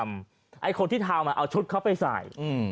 ไอ้คนที่ทำเอาชุดเขาไปใส่